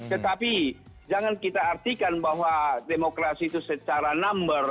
tetapi jangan kita artikan bahwa demokrasi itu secara number